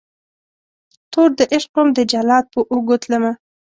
توردعشق وم دجلاد په اوږو تلمه